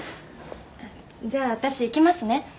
じゃあ私行きますね。